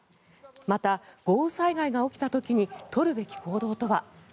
また、豪雨災害が起きた時に取るべき行動とは。